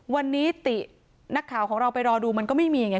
วันนี้ตินักข่าวของเราไปรอดูมันก็ไม่มีไง